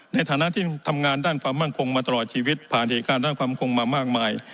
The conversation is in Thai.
ในฐานะที่ทำงานด้านความมั่นคงมาตลอดชีวิตผ่านเหตุการณ์ด้านความคงมามากมาย